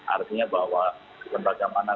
artinya bahwa sebagaimana